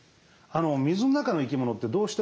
水の中の生き物ってどうしてもね